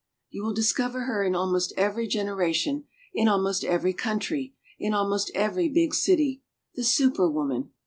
You will discover her in almost every generation, in almost every country, in almost every big city the Super Woman.